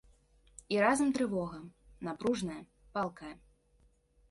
І разам трывога, напружная, палкая.